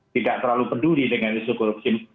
tidak terlalu peduli dengan isu korupsi